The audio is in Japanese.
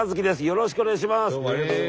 よろしくお願いします！